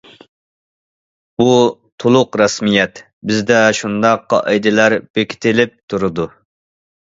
بۇ تولۇق رەسمىيەت...... بىزدە شۇنداق قائىدىلەر بېكىتىلىپ تۇرىدۇ.